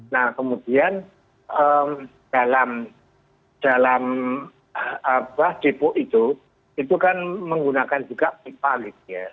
nah kemudian dalam depo itu itu kan menggunakan juga pipa lic ya